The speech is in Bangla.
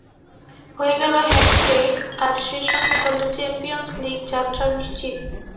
হয়ে গেল হ্যাটট্রিক আর সে সঙ্গে দলের চ্যাম্পিয়নস লিগ যাত্রাও নিশ্চিত